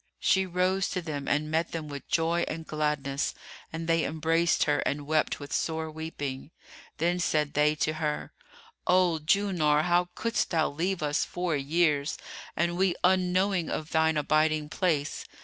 She rose to them and met them with joy and gladness, and they embraced her and wept with sore weeping. Then said they to her, "O Julnar, how couldst thou leave us four years, and we unknowing of thine abiding place?